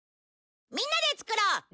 みんなでつくろう！